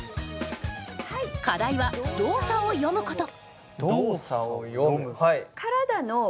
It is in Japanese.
課題は「動作を詠むこと」